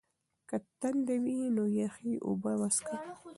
که تنده دې وي نو یخې اوبه وڅښه.